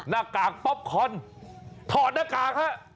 หน้ากากป๊อปคอนถอดหน้ากากฮะ